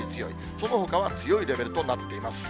そのほかは強いレベルとなっています。